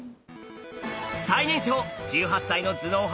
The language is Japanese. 最年少１８歳の頭脳派